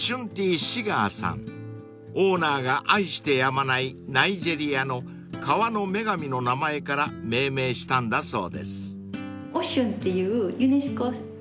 ［オーナーが愛してやまないナイジェリアの川の女神の名前から命名したんだそうです］